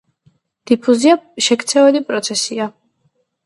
დიფუზია შექცევადი პროცესია.